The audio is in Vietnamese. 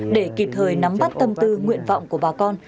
để kịp thời nắm bắt tâm tư nguyện vọng của bà con